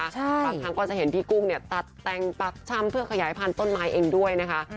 บางครั้งก็จะเห็นพี่กุ้งเนี่ยตัดแต่งปักชำเพื่อขยายพันธุ์ต้นไม้เองด้วยนะคะ